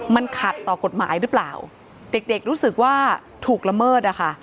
มันขัดต่อกฎหมายหรือเปล่าเด็กเด็กรู้สึกว่าถูกละเมิดอะค่ะ